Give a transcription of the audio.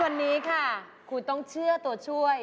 วันนี้ค่ะคุณต้องเชื่อตัวช่วย